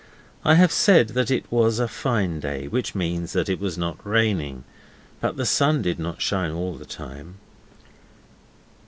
I have said that it was a fine day, which means that it was not raining, but the sun did not shine all the time.